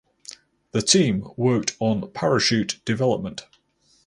The team worked on parachute development.